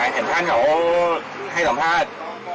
เห็นท่านของโอ้ให้สัมภาษณ์